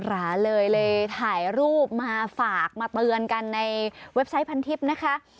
ราเลยเลยถ่ายรูปมาฝากมาเตือนกันในเว็บไซต์พันทิพย์นะคะ